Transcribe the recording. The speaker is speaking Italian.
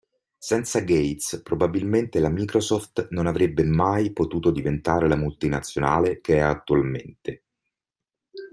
Senza Gates probabilmente la Microsoft non avrebbe mai potuto diventare la multinazionale che è attualmente.